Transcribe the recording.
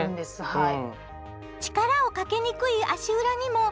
はい。